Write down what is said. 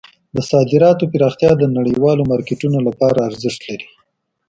د صادراتو پراختیا د نړیوالو مارکیټونو لپاره ارزښت لري.